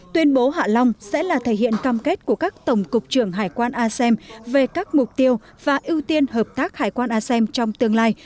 tuyên bố hạ long sẽ là thể hiện cam kết của các tổng cục trưởng hải quan asem về các mục tiêu và ưu tiên hợp tác hải quan asem trong tương lai